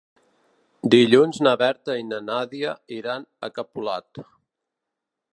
Dilluns na Berta i na Nàdia iran a Capolat.